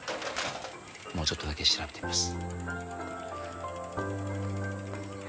もうちょっとだけ調べてみます